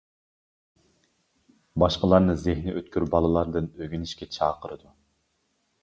باشقىلارنى زېھنى ئۆتكۈر بالىلاردىن ئۆگىنىشكە چاقىرىدۇ.